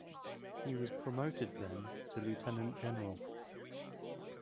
He was promoted then to Lieutenant general.